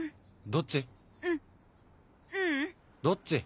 どっち？